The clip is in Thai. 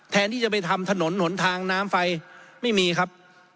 แทนที่จะไปทำถนนหนทางน้ำไฟไม่มีครับ